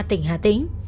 tỉnh hà tĩnh